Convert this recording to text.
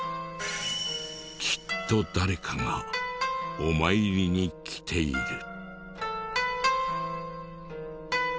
きっと誰かがお参りに来ている。